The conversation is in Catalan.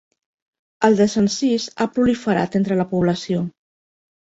El desencís ha proliferat entre la població.